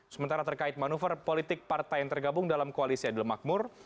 sementara terkait manuver politik partai yang tergabung dalam koalisi adil makmur